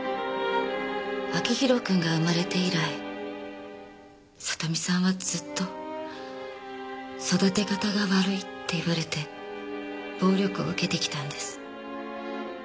彰浩くんが生まれて以来聡美さんはずっと育て方が悪いって言われて暴力を受けてきたんです。